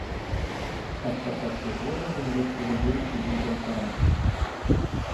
Ад пачатку года беларускі рубель кінуўся ў танцы.